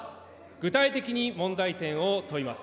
具体的に問題点を問います。